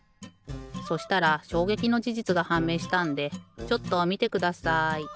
そしたらしょうげきのじじつがはんめいしたんでちょっとみてください。